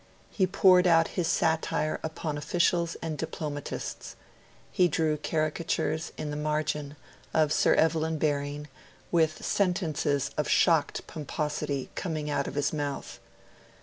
He poured out his satire upon officials and diplomatists. He drew caricatures, in the margin, of Sir Evelyn Baring, with sentences of shocked pomposity coming out of his mouth.